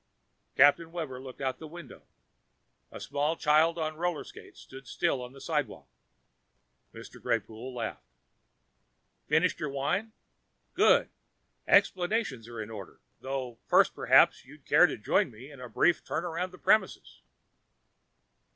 Captain Webber looked out the window. A small child on roller skates stood still on the sidewalk. Mr. Greypoole laughed. "Finished your wine? Good. Explanations are in order, though first perhaps you'd care to join me in a brief turn about the premises?"